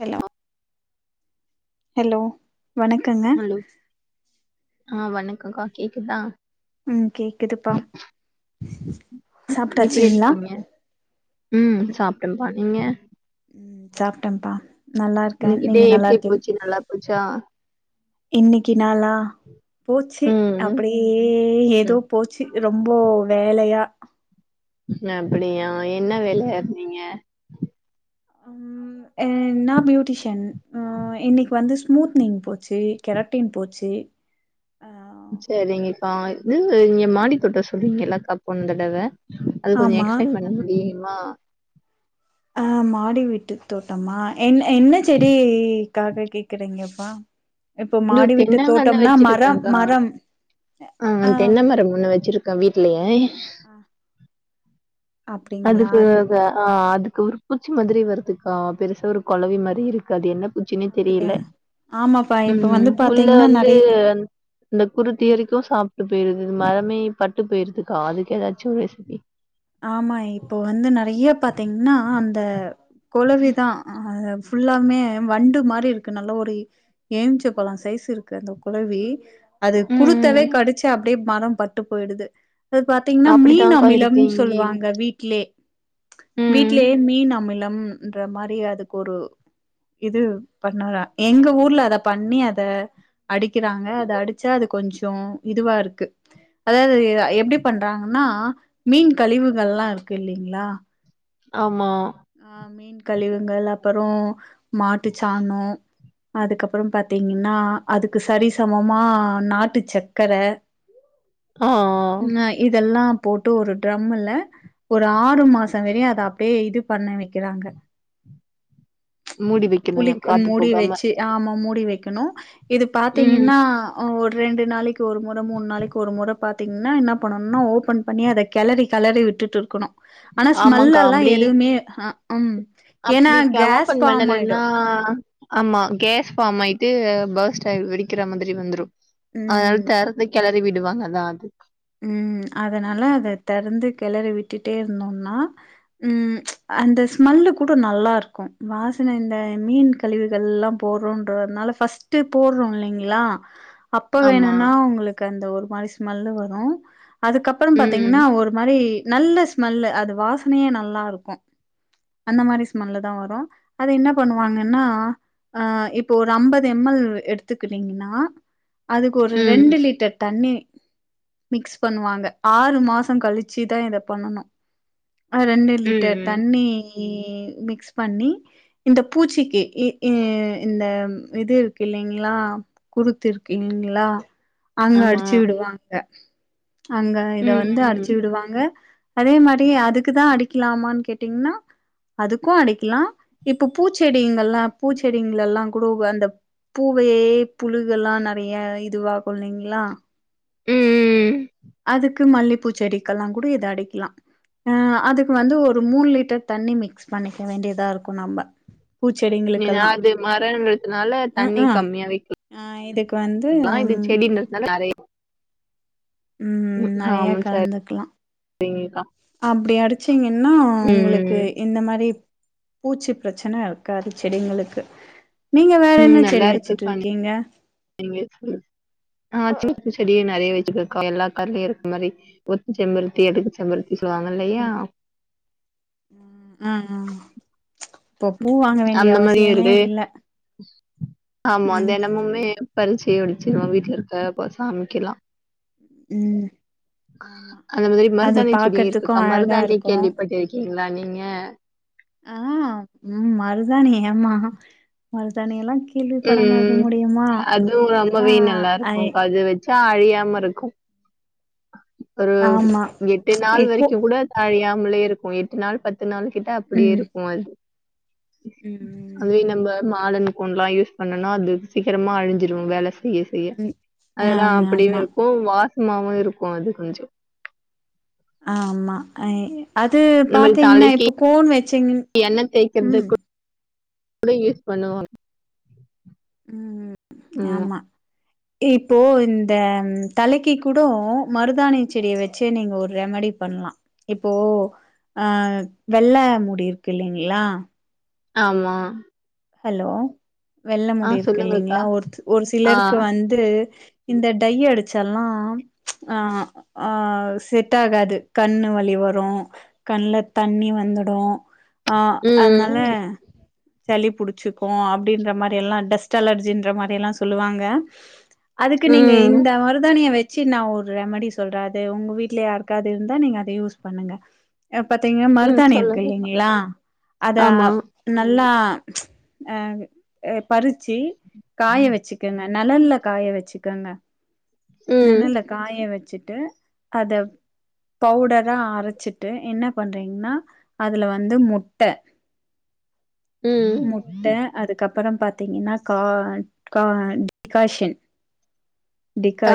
Hello hello வணக்கங்க hello ஆ வணக்கம் க்கா கேக்குதா ம் கேக்குதுப்பா எப்டி சாப்ட்டாச்சுங்களா இருத்துக்கீங்க ம் சாப்ட்டப்பா நீங்க ம் சாப்ட்டேப்பா நல்லா இருக்கே இன்னைக்கு டே நீங்க நல்லா எப்டி இருக்கீங் போச்சு நல்லா போச்சா இன்னைக்கி நாளா போச்சு ம் அப்டியே ஏதோ ம் போச்சு ரொம்ப வேலையா அப்டியா என்ன வேலையா இருந்தீங்க ம் என்ன பியூட்டிஷியன் ஆ இன்னைக்கி வந்து ஸ்மூத்னிங் போச்சு கெரட்டீன் போச்சு ஆ சரிங்கப்பா இது நீங்க மாடி தோட்ட சொல்றீங்கல்லகாப் போன தடவ அது கொஞ்ச ஆமா எக்ஸ்பிளைன் பண்ண முடியுமா ஆ மாடி வீட்டு தோட்டமா என்ன என்ன செடிக்காக கேக்குறீங்கப்பா இப்போ மாடி வீட்டு தென்னங்கண்ணு தோட்டம்னா மரம் வச்சிருக்காக்கா மரம் ஆ தென்மரம் ஒண்ணு வச்சிருக் க்க வீட்லயே அ அதுக்கு ஆ அதுக்கு ஒரு பூச்சி மாதிரி வருதுக்கா பெருசா ஒரு கொலவி மாதிரி இருக்கு அது என்ன பூச்சினே அப்டியா தெரியல ஆமாப்பா ம் இப்ப வந்து ம் உள்ள பாத்தீங்கன்னா வந்து நெறைய அந் இந்த குருத்தி ம் வறைக்கு சாப்ட்டு போயிருது மரமே பட்டு போயிருதுக்கா அதுக்கு ஏதாச்சு ஒரு ரெசிபி ஆமா இப்போ வந்து நெறைய பாத்தீங்கன்னா அந்த கொலவிதா ஆ ஃபுல்லாமே வண்டு மாரி இருக்கு நல்லா ஒரு ஏம்ச்ச பழ சைஸ் இருக்கு அந்த கொலவி அது குருத்தவே கடிச்சு அப்டியே மரொ பட்டு போயிடுது அது பாத்தீங்கன்னா மீன் அப்டித்தான்க்கா அமிலம் இருக்கு சொ இங்கேயு சொல்லுவாங்க வீட்லயே வீட்லேயே மீன் அமிலம் ன்ற மாரி அதுக்கு ஒரு இது பண்ணற எங்க ஊர்ல அத பண்ணி அத அடிக்கிறாங்க அத அடிச்சா அது கொஞ்சொ இதுவா இருக்கு அதாது எப்டி பண்றாங்கன்னா மீன் கழிவுகள்லா இருக்கு இல்லிங்களா ஆமா ஆ மீன் கழிவுங்கள் அப்பரொ மாட்டு சாணோ அதுக்கப்பறோ பாத்தீங்கன்னா அதுக்கு சரிசமமா நாட்டு சக்கர ஆ நாய் இதெல்லா போட்டு ஒரு ட்ரமுல ஒரு ஆறு மாசொ வரையு அத அப்டியே இது பண்ண வக்கிறாங்க மூடி வைக்கணுயா புளிக்கு காத்து மூடி போகாம வச்சு ஆமா மூடி வைக்கணு இது ம் பாத்தீங்கன்னா ஒ ரெண்டு நாளைக்கு ஒரு முறை மூணு நாளைக்கு ஒரு முறை பாத்தீங்கன்னா என்ன பண்ணும்னா ஓபன் பண்ணி அத கெலரி கெலரி விட்டுட்டு இருக்கணு ஆனா ஆமாக்கா ஸ்மெல்லல்லா எதுவுமே அஹ் ம் ஏன்னா அப்டிக்கா கேஸ் ஓபன் ஃபார்ம் ஆயிடு பண்ணறேன்னா ஆமா கேஸ் பார்ம் ஆயிட்டு பாஸ்ட் ஆயி வெடிக்கிற மாதிரி வந்துரு ம் அதனால தெறந்து கெளறி விடுவாங்கதா அது ம் அதனால அத தெறந்து கெளறி விட்டுட்டே இருந்தோம்னா ம் அந்த ஸ்மெல்லு கூட நல்லாருக்கு வாசனை இந்த மீன் கழிவுகள்ல்லா போட்றோன்றனால பாஸ்ட்டு போட்றோ இல்லைங்களா அப்ப ஆமா வேணும்னா உங்களுக்கு அந்த ஒரு மாரி ஸ்மெல்லு வரு அதுக்கப்பறம் பாத்தீங்கன்னா ம் ஒரு மாரி நல்ல ஸ்மெல்லு அது வாசனையே நல்லாருக்கு அந்த மாரி ஸ்மெல்லு தா வரு அது என்ன பண்ணுவாங்கன்னா அ இப்போ ஒரு அம்பது எம்எல் எடுத்துக்குனிங்கன்னா அதுக்கு ஒரு ம் ரெண்டு ம் லிட்டர் தண்ணி மிக்ஸ் பண்ணுவாங்க ஆறு மாசொ கழிச்சுதா இத பண்ணனு ரெண்டு ம் லிட்டர் ம் தண்ணீ மிக்ஸ் பண்ணி இந்த பூச்சிக்கு இ இ இந்த இது இருக்கு இல்லைங்களா குறுத்து இருக்கீங்ளா அங்க ஆமா அடிச்சு விடுவாங்க அங்க இத ம் வந்து ம் அடிச்சு ம் விடுவாங்க அதே மாரி அதுக்குதா அடிக்கலாமான் கேட்டீங்கன்னா அதுக்கொ அடிக்கலா இப்ப பூச்செடிங்கல்லா பூச்செடிங்க எல்லா கூட அந்த பூவேயே புழுகெல்லா நெறைய இதுவாகு இல்லைங்களா ம் ம் ம் அதுக்கு மல்லிப்பூச்செடிக்கெல்லா கூட இது அடிக்லா ஆ அதுக்கு வந்து ஒரு மூணு லிட்டர் தண்ணி மிக்ஸ் பண்ணிக்க வேண்டியதா இருக்கு நம்ம பூச்செடிங்க நீங்க அது மரன்றதுனால தண்ணி ம் கம்மியா வைக்கில் ஆ இதுக்கு வந்து ன்னா இது செடின்றதுனால நெறய ம் நெறையா கலந்துக்குலா சேரிக்கா அப்டி அடிச்சிங்கன்னா உங்களுக்கு இந்த மாரி பூச்சி பிரச்சன இருக்காது செடிங்களுக்கு நீங்க வேற என்ன ம் நல்லா செடி வெச்சுட்டு இருக்குக்கா இருக்கீங்க நீங்க சொல்லு ஆ சூச்ப செடி நெறைய வச்சிக்கிருக்கே எல்லா கலருலயு இருக்க மாரி ஒத்த செம்பருத்தி அடுக்கு செம்பருத்தி சொல்லுவாங்கல்லயா ம் ம் அப்ப பூ வாங்க வேண்டிய அந்த மாரியு அவசியமே இருக்கு இல்ல ஆமா ம் தெனமுமே பரிச்சி வெச்சிருவே வீட்ல இருக்கப்போ சாமிக்கல்லா ம் ஆமா அந்த மாதிரி அது மருதாணி செடி பாக்கறதுக்கு இருக்குக்கா அழகா மருதாணி இருக்கு கேள்விப்பட்ருக்கீங்களா நீங்க ஆ ம் மருதாணி ஏம்மா மருதாணி எல்லா கே ம் அது அதெல்லா ரொம்பவே நல்லா ஐ இருக்கு கா அது வச் ச்சா அழியாம இருக்கு ஒரு ஆமா எட்டு நாள் எக்கோ வரைக்கு கூட அழியாமலே இருக்கு எட்டு நாள் பத்து நாள் கிட்ட அப்டியே ம் இருக்கு அது ம் அதுவே நம்ம மாடென்கோன்லா யூஸ் பண்ணுனா அது சீக்கரமா அழிஞ்சிரு வேல செய்ய செய்ய ம் அதெல்லா ஆமா அப்டியு ஆமா இருக்கு வா சமாவு இருக்கு அது கொஞ்சோ ஆமா ஆ அது பாத்தீங்கனா இப்ப கோன் வச்சீங்கன் எண்ண தேக்கிறது கூட யூஸ் பண்ணுவோ ம் ஆமா இப்போ இந்த தலைக்கு கூடோ மருதானி செடிய வச்சே நீங்க ஒரு ரெமடி பண்லா இப்போ ஆ வெள்ள முடி இருக்கு இல்லேங்களா ஆமா ஹலோ வெள்ள ஆ முடி இருக்கு சொல்லுங்கக்கா. இல்லேங்களா ஒர்த்து ஒரு ஆ. சிலருக்கு வந்து ந்து இந்த டை அடிச்சால்லா ஆ ஆ செட் ஆகாது கண்ணு வலி வரும் கண்ல தண்ணி வந்துடு அ ம், அதுனால ம். சளி புடிச்சுக்கும் அப்டின்ற மாரியெல்லா டஸ்ட் அலர்ஜின்ற மாரியெல்லா சொல்லுவாங்க அதுக்கு நீங்க ம். இந்த மருதானிய வ வச்சி நா ஒரு ரெமடி சொல்றே அது ஒங்க வீட்லயார்க்காது இருந்தா நீங்க அத யூஸ் பண்ணுங்க பாத்தீங்னா ம். மருதாணி இருக்கு சொல்லுங்கக்கா. இல்லைங்ளா அத ஆமா. நல்லா ச் அ பறிச்சு காய வச்சு கனு நெலல்ல காய வச்சுக்கங்க ம். நெழலு காய வச்சிட்டு அத பவுடரா அரச்சிட்டு என்ன பண்றீங்னா அதுல வந்து முட்ட ம். ம். முட்ட அதுக்கப்பறோ பாத்தீங்கன்னா கா கா டிகாஷன்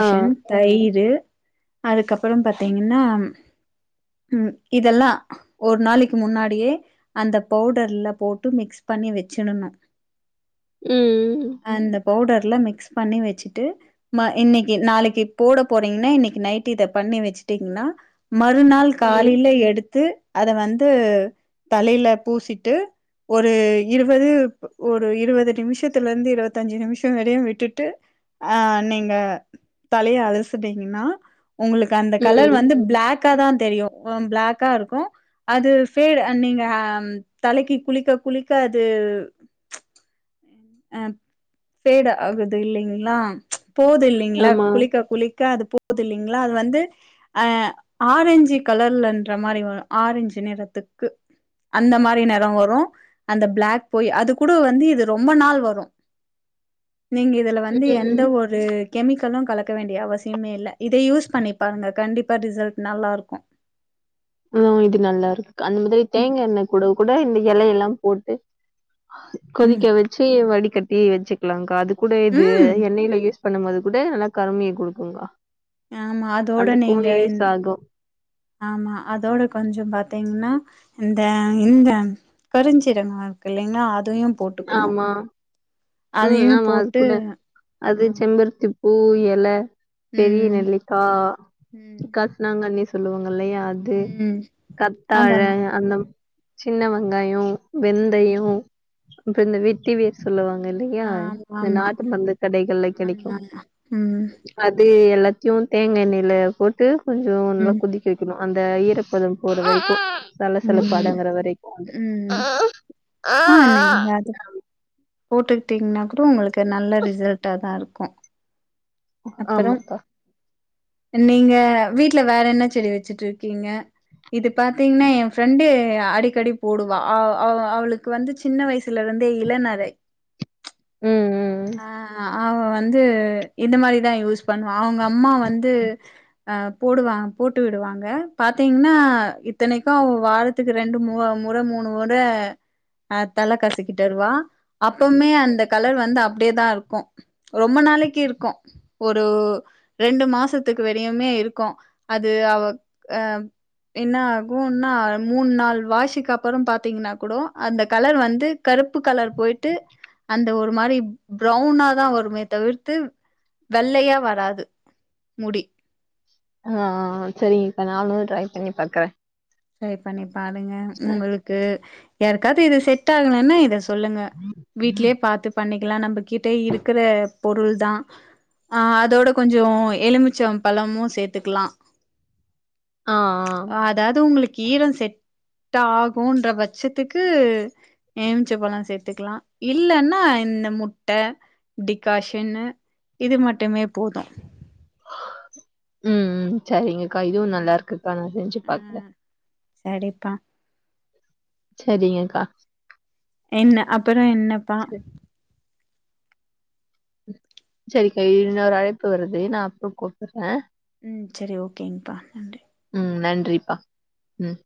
ஆ. தயிரு அதுக்கப்பறோ பாத்தீங்கன்னா ம் இதல்லா ஒரு நாளைக்கு முன்னாடியே அந்த பவுடர்ல போட்டு மிக்ஸ் பண்ணி வச்சிடணு ம் ம் அந்த பவுடர்ல மிக்ஸ் பண்ணி வச்சுட்டு மா இன்னக்கி நாளக்கி போட போறீங்கனா இன்னக்கி நைட்டு இத பண்ணி வச்சுட்டீங்னா மறுநாள் ம். காலேல எடுத்து அத வந்து தலைல பூசிட்டு ஒரு இருவது ஒரு இருவது நிமிஷத்துலருந்து இருவத்தஞ்சு நிமிஷோ வரையு விட்டுட்டு அ நீங்க தலய அழசுனீங்கன்னா உங்களுக்கு அந்த கலர் ம். வந்து பிளாக்கா தா தெரியு பிளாக்கா இருக்கு அது ஃபேடு நீங்க தலைக்கு குளிக்க குளிக்க அது அ ஃபேடா ஆகுது இல்லைங்களா போது இல்லே ங்ளா ஆமா. குளிக்க குளிக்க அது போது இல்லேங்ளா அது வந்து அ ஆரஞ்சு கலர்லன்ற மாரி வரு ஆரஞ்சு நிறத்துக்கு அந்த மாரி நெரோ வரு அந்த பிளாக் போய் அது கூடோ வந்து இது ரொ ம்போ நாள் வரு நீங்க இதுல வந்து எந்த ம். ஒ ரு கெமிக்கலு கலக்க வேண்டிய அவசியமே இல்ல இத யூஸ் பண்ணி பாருங்க கண்டிப்பா ரிசல்ட் நல்லாருக்கு ஆ இது நல்லாருக்கு அந்தமாதி ம் தேங்கா எண்ணெகுட கூட இந்த எலை எல்லா போட்டு ம் கொதிக்க வெச்சு வடிகட்டி வெச்சுக்கலாக்கா அது கூட இது ம் எண்ணெயில யூஸ் பண்ணம்போது கூட நல்ல கருமைய குடுக்குங்கா ஆமா அதோட நீங்க இந் ஆகும். ஆமா அதோட கொஞ்சோம் பாத்தீங்ன்னா இந்த இந்த கருஞ்சீரகோ இருக்கு இல்லைங்ளா அதயு ஆமா ம் அதையு ஆமா அது போட்டு கூட அது ம் செம்பருத்தி பூ எல பெரிய ம் நெல்லிக்கா ம் கர்ஸ் சலாங்கண்ணி சொல்லுவாங்க இல்லயா அது ம் கத்தாழ அதெல்லா அந்த சின்ன வெங்காயோ ம் வெந்தயோ அப்றோ இந்த வெட்டி வேர் சொல்லுவாங் இல்லயா ஆமா இந்த ஆமா நாட்டு மர்ந்து கடைகள்ல கெடைக்கு ஆமா ம் அது எல்லாத்தியு தேங்கா எண்ணயில போட்டு கொஞ்சோ நல்லா ம் கொதி க்கவேக்கனு அந்த ஈரப்பதோ போற வரைக்கு சல ம் சலப்படங்கற வரைக்கு அது அ ஆ அ அ நீங்க அது போட்டுக்கிட்டீங்ன்னா கூடோ உங்களுக்கு நல்ல ரிசல்டா தா இருக்கோ ஆமாக்கா நீங்க வீட்ல வேற என்ன செடி வெச்சிட்ருக்கீங்க இது பாத்தீங்ன்னா எ ஃப்ரெண்டு அடிக்கடி போடுவா அவ் அவ் அவ்ளுக்கு வந்து சி சின்ன வயசுலேயிருந்தே இளநரை ம் ம் ஆ அவ வந்து இந்த மாரிதா யூஸ் பண்ணுவா அவுங்கம்மா வந்து அ போடுவா போட்டு விடுவாங்க பாத்தீங்ன்னா இத்தனைக்கு அவ வார த்துக்கு ரெண்டு மு முற மூணு முற அ தல கசக்கிட்டு வருவா அப்பமே அந்த கலர் வந்து அப்டியேதாயிருக்கூ ரொம்ப நாளிக்கு இருக்கூ ஒரு ரெண்டு மாஸ் த்துக்கு வெரியுமே இருக்கூ அது அவ ஆ என்ன ஆகுன்னா மூணு நாள் வாசூக்கு அப்றோ பாத்தீங்ன்னா கூடோ அந்த கலர் வந்து கருப்பு கலர் போயிட்டு அந்த ஒரு மாரி ப்ரௌனாதா வருமே தவிர்த்து வெள்ளய்யா வராது முடி ஆ செரிங்கக்கா நானு ட்ரை பண்ணி பாக்குற ட்ரை பண்ணி பாருங்க உங்களுக்கு யாருக்காவ்து இது செட் ஆகலன்னா இத சொல்லுங்க வீட்லே பாத்து பண்ணிக்லா நம்ம கிட்ட இருக்குற பொருள் தா ஆ அதோட கொஞ்சோ எலுமிச்ச பழமு சேத்துக்கலா ஆ ஆ அதாது உங்களுக்கு ஈரம் செட் ஆகுன்ற பட்சத்துக்கு எலுமிச்ச பழோ சேத்துக்லா இல்லனா இந்த முட்ட டீக்காஷன்னு இது மட்டுமே போது ம் ம் செரிங்கக்கா இதுவு ம் நல்லாயிருக்குக்கா நா செஞ்சு பாக்ற செரிப்பா செரிங்கக்கா என்ன அப்றோ என்னப்பா சரி செரிக்கா இன்னொரு அழைப்பு வருது நா அப்றோ கூப்புறே ம் செரி ஓகேங்ப்பா நன்றி ம் நன்றிப்பா ம்